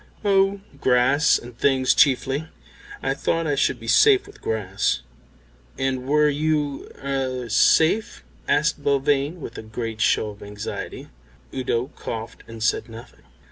"Oh, grass and things chiefly. I thought I should be safe with grass." "And were you er safe?" asked Belvane, with a great show of anxiety. Udo coughed and said nothing.